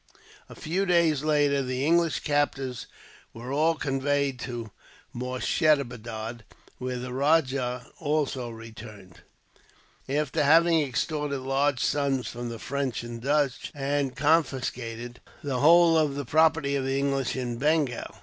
A few days later, the English captives were all conveyed to Moorshedabad, where the rajah also returned, after having extorted large sums from the French and Dutch, and confiscated the whole of the property of the English in Bengal.